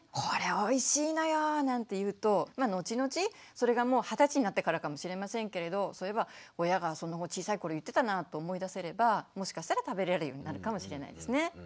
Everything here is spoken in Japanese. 「これおいしいのよ！」なんて言うと後々それがもう二十歳になってからかもしれませんけれど「そういえば親が小さい頃言ってたな」と思い出せればもしかしたら食べれるようになるかもしれないですね。